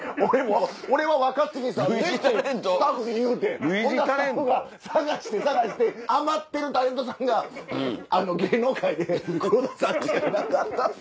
俺は「若槻さんで」ってスタッフに言うてほんならスタッフが探して探して余ってるタレントさんが芸能界で黒田さんしかいなかった。